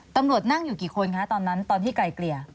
ตำรวจนั่งอยู่กี่คนคะตอนนั้นตอนที่ไกลเกลี่ย